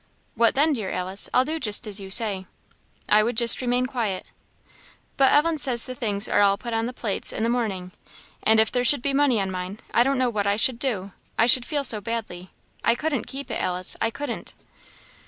"What then; dear Alice? I'll do just as you say." "I would just remain quiet." "But Ellen says the things are all put on the plates in the morning; and if there should be money on mine I don't know what I should do, I should feel so badly. I couldn't keep it, Alice! I couldn't!"